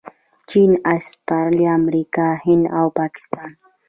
چین، اسټرلیا، امریکا، هند او پاکستان